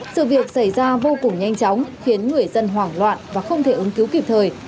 sự việc xảy ra vô cùng nhanh chóng khiến người dân hoảng loạn và không thể ứng cứu kịp thời